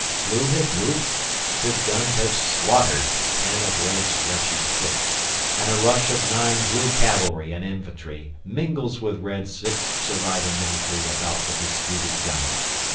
Blue has moved, his guns have slaughtered ten of Red's wretched foot, and a rush of nine Blue cavalry and infantry mingles with Red's six surviving infantry about the disputed gun.